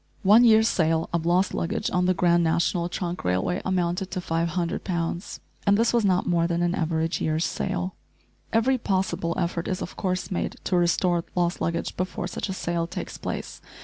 One year's sale of lost luggage on the Grand National Trunk Railway amounted to 500 pounds! and this was not more than an average year's sale. Every possible effort is of course made to restore lost luggage before such a sale takes place.